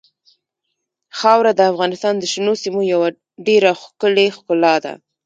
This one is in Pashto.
خاوره د افغانستان د شنو سیمو یوه ډېره ښکلې ښکلا ده.